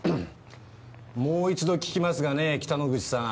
もう一度訊きますがね北之口さん。